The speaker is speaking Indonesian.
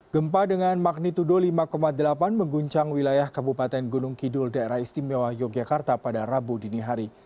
gempa dengan magnitudo lima delapan mengguncang wilayah kabupaten gunung kidul daerah istimewa yogyakarta pada rabu dini hari